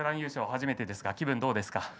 初めてですが気分、どうですか。